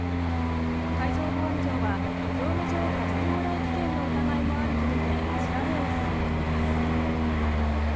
海上保安庁は業務上過失往来危険の疑いもあるとみて調べを進めています。